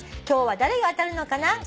「今日は誰が当たるのかな？